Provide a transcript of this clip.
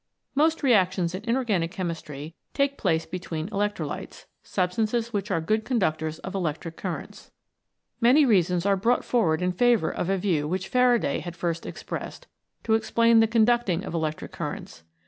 Most reactions in Inorganic Chemistry take place between electrolytes substances which are good conductors of electric currents. Many 72 VELOCITY OF REACTIONS reasons are brought forward in favour of a view which Faraday had first expressed, to explain the conducting of electric currents.